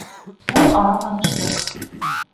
Үҙ-ара таныштыҡ.